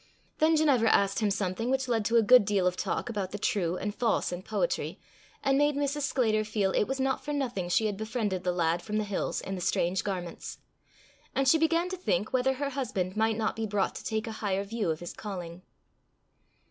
Then Ginevra asked him something which led to a good deal of talk about the true and false in poetry, and made Mrs. Sclater feel it was not for nothing she had befriended the lad from the hills in the strange garments. And she began to think whether her husband might not be brought to take a higher view of his calling.